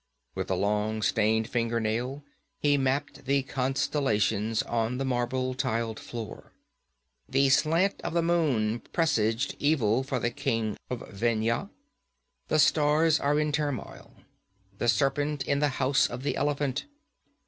With a long, stained fingernail he mapped the constellations on the marble tiled floor. 'The slant of the moon presaged evil for the king of Vendhya; the stars are in turmoil, the Serpent in the House of the Elephant.